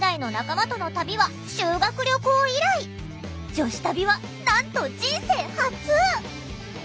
女子旅はなんと人生初！